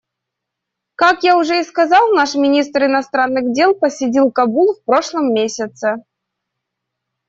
Как я уже сказал, наш министр иностранных дел посетил Кабул в прошлом месяце.